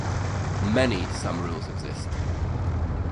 Many sum rules exist.